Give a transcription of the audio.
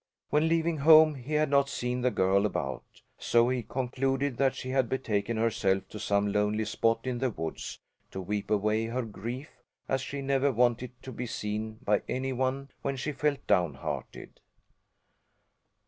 When leaving home he had not seen the girl about, so he concluded that she had betaken herself to some lonely spot in the woods, to weep away her grief, as she never wanted to be seen by any one when she felt downhearted.